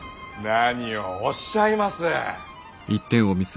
何をおっしゃいます。